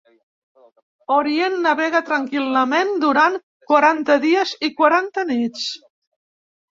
Orient i navega tranquil·lament durant quaranta dies i quaranta nits.